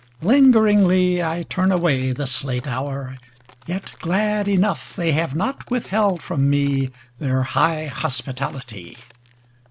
Lingeringly I turn away, This late hour, yet glad enough They have not withheld from me Their high hospitality.